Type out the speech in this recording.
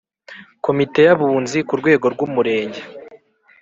Komite y Abunzi ku rwego rw Umurenge